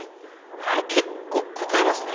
あれ結構こたえますね。